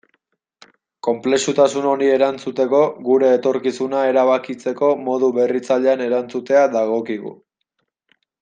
Konplexutasun honi erantzuteko, gure etorkizuna erabakitzeko modu berritzailean erantzutea dagokigu.